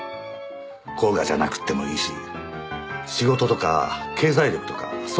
甲賀じゃなくってもいいし仕事とか経済力とかそういうのも全然。